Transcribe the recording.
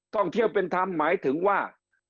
ท่องเที่ยวเป็นธรรมหมายถึงว่า